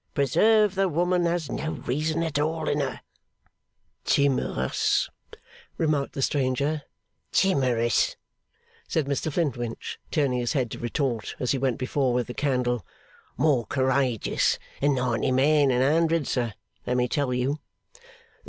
Preserve the woman, has she no reason at all in her!' 'Timorous,' remarked the stranger. 'Timorous?' said Mr Flintwinch, turning his head to retort, as he went before with the candle. 'More courageous than ninety men in a hundred, sir, let me tell you.